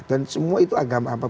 dan semua itu agama apa